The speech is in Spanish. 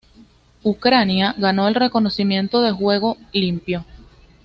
Ucrania ganó el reconocimiento de Juego limpio.